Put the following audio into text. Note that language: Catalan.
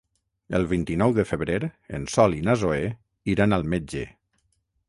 El vint-i-nou de febrer en Sol i na Zoè iran al metge.